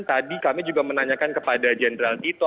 tadi kami juga menanyakan kepada jenderal tito